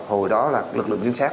hồi đó là lực lượng chính xác